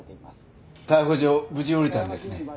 逮捕状無事下りたんですね。